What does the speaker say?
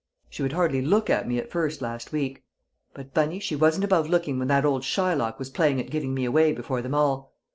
She would hardly look at me at first last week; but, Bunny, she wasn't above looking when that old Shylock was playing at giving me away before them all.